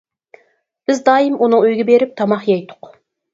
بىز دائىم ئۇنىڭ ئۆيىگە بېرىپ تاماق يەيتتۇق.